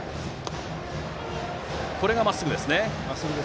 今のがまっすぐですね。